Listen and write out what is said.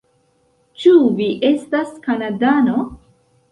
Ĉu vi estas Kanadano?